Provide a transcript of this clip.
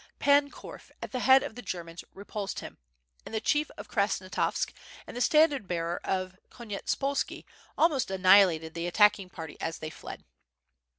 Pan Korf, at the head of the Germans, repulsed him, and the Chief of Krasnostavsk and the standard bearer of Konyetspolski almost annihilated the attacking party as they fled.